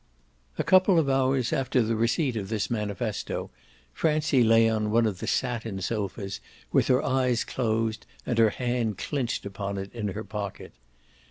A couple of hours after the receipt of this manifesto Francie lay on one of the satin sofas with her eyes closed and her hand clinched upon it in her pocket.